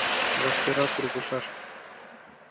Вашкерак ургышаш.